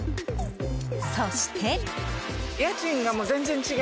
そして。